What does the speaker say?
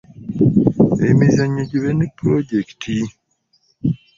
Emizannyo gibe ne pulojekiti.